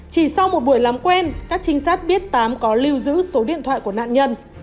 chỉ sau một buổi làm quen các trinh sát biết tám có lưu giữ số điện thoại của nạn nhân